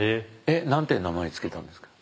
何て名前付けたんですか？